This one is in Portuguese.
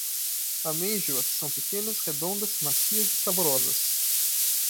Amêijoas são pequenas, redondas, macias e saborosas.